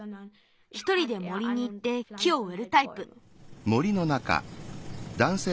ひとりで森にいって木をうえるタイプ。